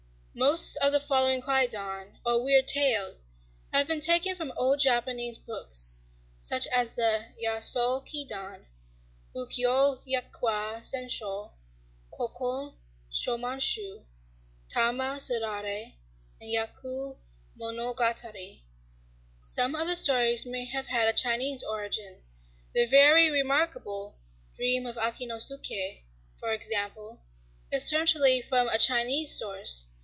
Most of the following Kwaidan, or Weird Tales, have been taken from old Japanese books,—such as the Yasō Kidan, Bukkyō Hyakkwa Zenshō, Kokon Chomonshū, Tama Sudaré, and Hyaku Monogatari. Some of the stories may have had a Chinese origin: the very remarkable "Dream of Akinosuké," for example, is certainly from a Chinese source.